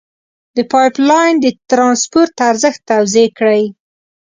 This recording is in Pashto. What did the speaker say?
د پایپ لین د ترانسپورت ارزښت توضیع کړئ.